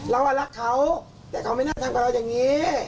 เรารักเขาแต่เขาไม่น่าทำกับเราอย่างนี้